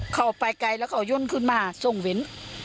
เข้าไปไกลแล้วเขาย่นขึ้นมาส่งเว้น